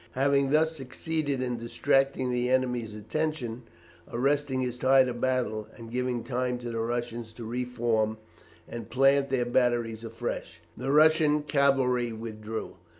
Having thus succeeded in distracting the enemy's attention, arresting his tide of battle, and giving time to the Russians to reform and plant their batteries afresh, the Russian cavalry withdrew.